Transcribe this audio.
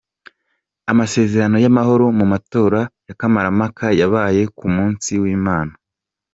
Amasezerano y’amahoro mu matora ya kamarampaka yabaye ku musi w’Imana.